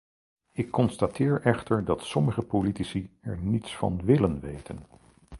Ik constateer echter dat sommige politici er niets van willen weten.